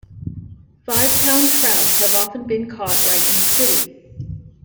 Five-pound trout have often been caught right in the city.